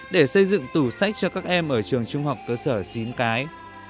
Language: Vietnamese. để xây dựng tủ sách cho các em ở trường trung học cơ sở xín cái